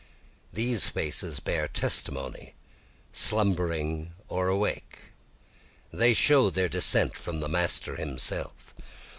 These faces bear testimony slumbering or awake, They show their descent from the Master himself.